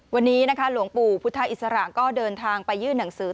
วันนี้นะคะหลวงปู่พุทธอิสระก็เดินทางไปยื่นหนังสือ